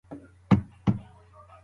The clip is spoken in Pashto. په پلي تګ کي پیسې نه مصرفېږي.